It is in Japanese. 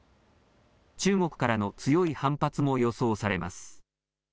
中国からの強い反発も予想されます。